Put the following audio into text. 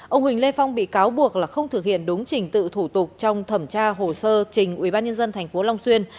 ông huỳnh lê phong bị cáo buộc là không thực hiện đúng trình tự thủ tục trong thẩm tra hồ sơ trình ubnd tp long xuyên